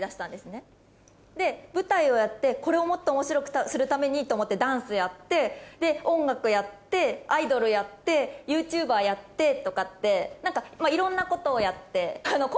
舞台をやってこれをもっと面白くするためにと思ってダンスやって音楽やってアイドルやってＹｏｕＴｕｂｅｒやってとかって。